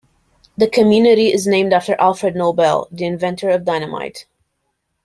The community is named after Alfred Nobel, the inventor of dynamite.